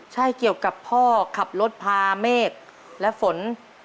ใช่เกี่ยวกับพ่อขับรถพาเมฆและฝน